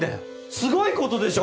すごい事でしょ！？